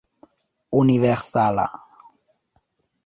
universala